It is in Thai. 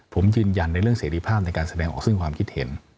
ผมยืนยันในเรื่องเสรีภาพในการแสดงออกซึ่งความคิดเห็น